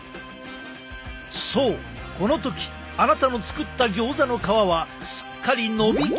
そうこの時あなたの作ったギョーザの皮はすっかりのびきっていたのだ。